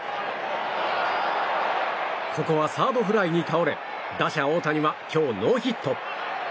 ここはサードフライに倒れ打者・大谷は今日ノーヒット。